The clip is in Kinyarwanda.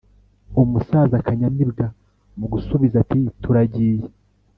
umusaza kanyamibwa mu gusubiza ati:turagiye